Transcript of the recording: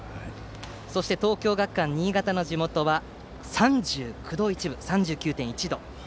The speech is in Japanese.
そして東京学館新潟の地元は３９．１度。